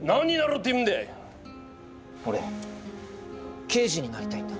俺刑事になりたいんだ。